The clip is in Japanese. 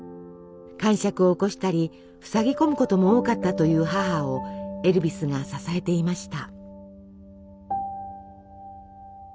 かんしゃくを起こしたりふさぎ込むことも多かったという母をエルヴィスが支えていました。